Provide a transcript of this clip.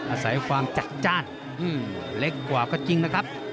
อาศัยความจัดจ้านเล็กกว่าก็จริงนะครับ